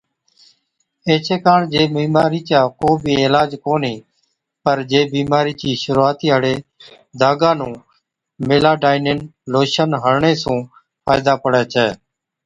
ايڇي ڪاڻ جي بِيمارِي چا ڪو بِي عِلاج ڪونهِي۔ پَر جي بِيمارِي چِي شرُوعا هاڙي داگا نُون Meladinine Lotion ميلاڊائِينن لوشن هڻڻي سُون فائِدا پڙَي ڇَي۔